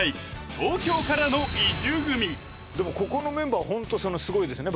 東京からの移住組でもここのメンバーホントすごいですよね